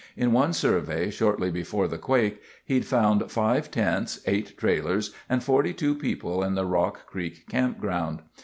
In one survey, shortly before the quake, he'd found five tents, eight trailers, and 42 people in the Rock Creek Campground.